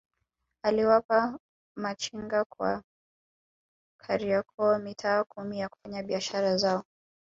Aliwapa machinga wa Kariakoo mitaa kumi ya kufanyia biashara zao